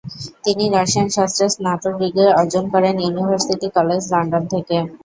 তিনি রসায়ন শাস্ত্রে স্নাতক ডিগ্রি অর্জন করেন ইউনিভার্সিটি কলেজ লন্ডন থেকে।